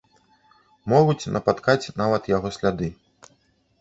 Могуць напаткаць нават яго сляды.